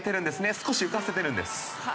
少し浮かせてるんです。